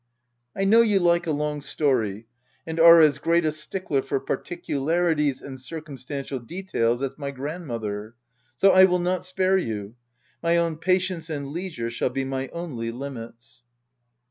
I know you like a long story, and are as great a stickler for particularities and circum stantial details as my grandmother, so I will not spare you : my own patience and leisure shall be my only limits.